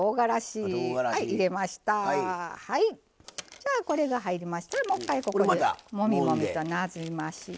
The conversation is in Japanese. じゃあこれが入りましたらもう一回ここでもみもみとなじまして。